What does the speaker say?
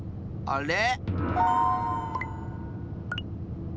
あれ？